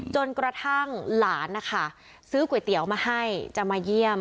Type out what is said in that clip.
จนกระทั่งหลานนะคะซื้อก๋วยเตี๋ยวมาให้จะมาเยี่ยม